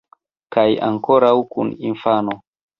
Kaj ankoraŭ kun infano!